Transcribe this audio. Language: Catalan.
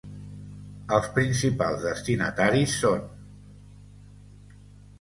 Els principals destinataris són: